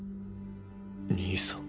兄さん。